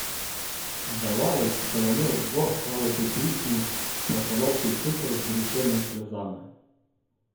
Здавалось, що вони вдвох склали ту пісню про "солодкий цукор з гіркими сльозами".